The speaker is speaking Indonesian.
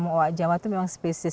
owak jawa itu memang spesies